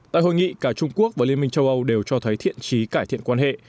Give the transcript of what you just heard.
tại hội nghị cả trung quốc và liên minh châu âu đều cho thấy thiện trí cải thiện quan hệ